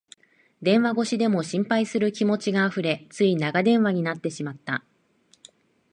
電話越しでも心配する気持ちがあふれ、つい長電話になってしまった